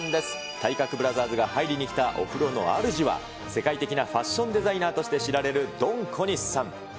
体格ブラザーズが入りにきたお風呂のあるじは、世界的なファッションデザイナーとして知られる、ドン小西さん。